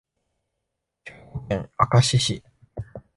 兵庫県明石市